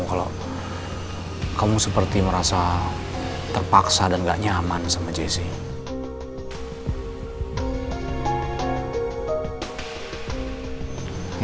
kalau kamu seperti merasa terpaksa dan gak nyaman sama jc